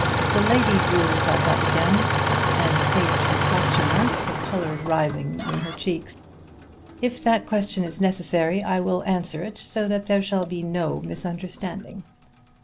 The lady drew herself up again and faced her questioner, the color rising in her cheeks. "If that question is necessary," she said with cold distinctness, "I will answer it so that there shall be no misunderstanding.